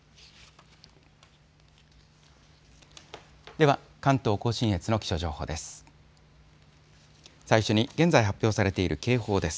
では関東甲信越の気象情報です。